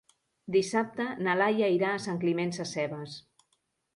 Dissabte na Laia irà a Sant Climent Sescebes.